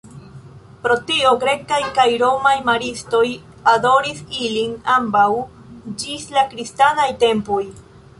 Pro tio grekaj kaj romaj maristoj adoris ilin ambaŭ ĝis la kristanaj tempoj.